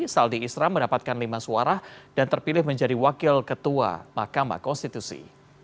saldi isra mendapatkan lima suara dan terpilih menjadi wakil ketua mahkamah konstitusi